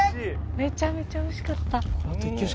めちゃめちゃ惜しかった。